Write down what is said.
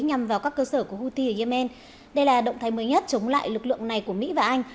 nhằm vào các cơ sở của houthi ở yemen đây là động thái mới nhất chống lại lực lượng này của mỹ và anh